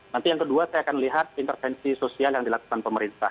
nanti yang kedua saya akan lihat intervensi sosial yang dilakukan pemerintah